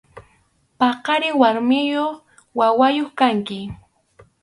Paqariq warmiyuq wawayuq kanki.